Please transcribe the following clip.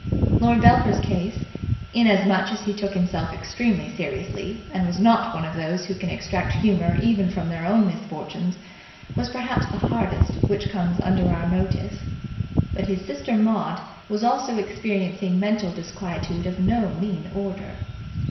Lord Belpher's case, inasmuch as he took himself extremely seriously and was not one of those who can extract humour even from their own misfortunes, was perhaps the hardest which comes under our notice; but his sister Maud was also experiencing mental disquietude of no mean order.